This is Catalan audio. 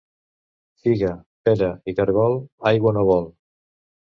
Figa, pera i caragol aigua no vol.